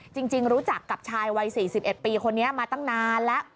จริงรู้จักกับชายวัย๔๑ปีคนนี้มาตั้งนานแล้ว